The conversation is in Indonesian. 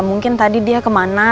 mungkin tadi dia kemana